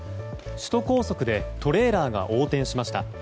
首都高速でトレーラーが横転しました。